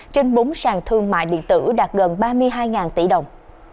trên bốn sàn thương mại điện tử đạt gần ba mươi hai tỷ đồng